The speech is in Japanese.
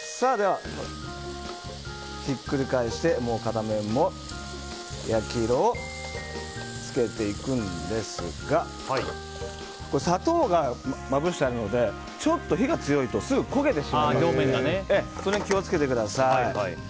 ひっくり返して、もう片面も焼き色を付けていくんですが砂糖がまぶしてあるので火が強いとすぐ焦げてしまいますから気を付けてください。